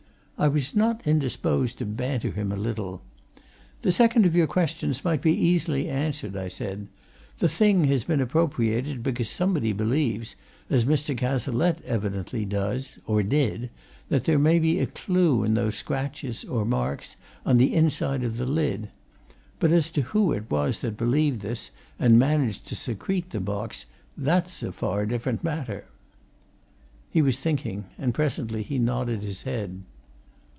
I was not indisposed to banter him a little. "The second of your questions might be easily answered," I said. "The thing has been appropriated because somebody believes, as Mr. Cazalette evidently does, or did, that there may be a clue in those scratches, or marks, on the inside of the lid. But as to who it was that believed this, and managed to secrete the box that's a far different matter!" He was thinking, and presently he nodded his head.